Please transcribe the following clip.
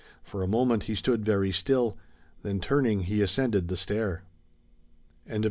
For a moment he stood very still. Then turning, he ascended the stair. CHAPTER X.